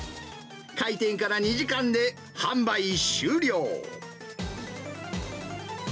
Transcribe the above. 開店から２時間で販売終了。